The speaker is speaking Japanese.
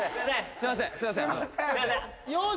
すいません